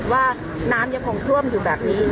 ว่าน้ำยังคงท่วมอยู่แบบนี้